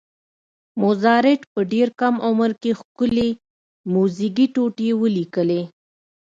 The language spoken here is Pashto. موزارټ په ډېر کم عمر کې ښکلې میوزیکي ټوټې ولیکلې.